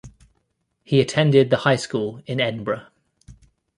He attended the High School in Edinburgh.